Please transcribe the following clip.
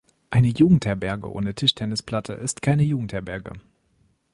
Eine Jugendherberge ohne Tischtennisplatte ist keine Jugendherberge.